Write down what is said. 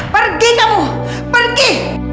pergi kamu pergi